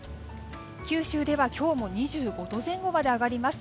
九州では今日も２５度前後まで上がります。